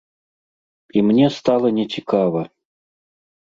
І мне стала нецікава.